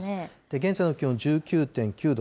現在の気温１９．９度。